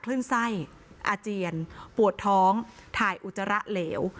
คลื่นไส้อาเจียนปวดท้องถ่ายอุจจาระเหลว